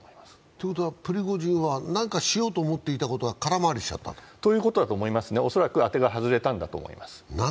ということはプリゴジンは何かしようとしていたことが空回りしてしまったと？ということだと思います、恐らく、当てが外れたんだと思います。